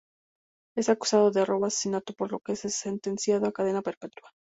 Es acusado de robo y asesinato, por lo que es sentenciado a cadena perpetua.